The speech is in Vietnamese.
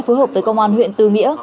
phối hợp với công an huyện tư nghĩa